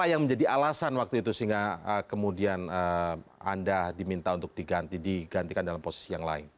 apa yang menjadi alasan waktu itu sehingga kemudian anda diminta untuk digantikan dalam posisi yang lain